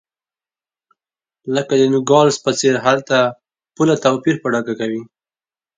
لکه د نوګالس په څېر هلته پوله توپیر په ډاګه کوي.